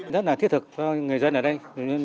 rất là thiết thực cho người dân ở đây